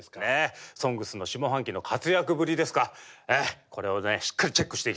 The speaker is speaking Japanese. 「ＳＯＮＧＳ」の下半期の活躍ぶりですかこれをしっかりチェックしていきたい。